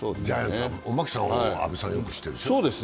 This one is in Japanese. おマキさんは阿部さん、よく知っているでしょ？